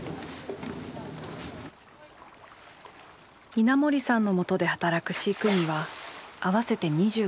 稲森さんのもとで働く飼育員は合わせて２５人。